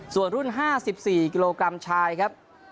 ส่วนรุ่น๕๔กิโลกรัมชายครับ